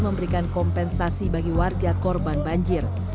memberikan kompensasi bagi warga korban banjir